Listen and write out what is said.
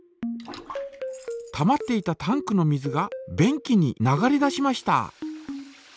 たまっていたタンクの水が便器に流れ出しました。